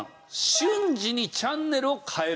「瞬時にチャンネルを変える」。